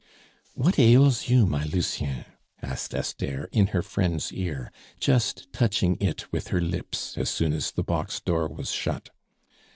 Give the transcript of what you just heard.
"What ails you, my Lucien?" asked Esther in her friend's ear, just touching it with her lips as soon as the box door was shut.